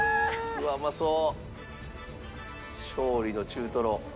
うわっうまそう！